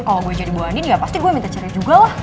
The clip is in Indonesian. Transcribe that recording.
kalau gue jadi bu andin ya pasti gue minta cari juga lah